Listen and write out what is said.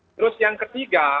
terus yang ketiga